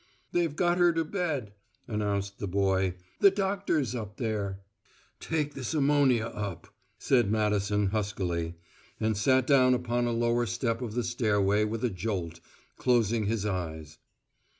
"They've got her to bed," announced the boy. "The doctor's up there." "Take this ammonia up," said Madison huskily, and sat down upon a lower step of the stairway with a jolt, closing his eyes.